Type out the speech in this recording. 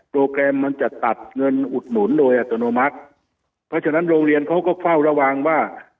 แกรมมันจะตัดเงินอุดหนุนโดยอัตโนมัติเพราะฉะนั้นโรงเรียนเขาก็เฝ้าระวังว่า